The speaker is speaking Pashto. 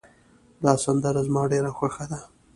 دا سندره زما ډېره خوښه ده